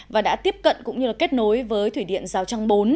và đã tiếp cận cũng như kết nối với thủy điện rào trang bốn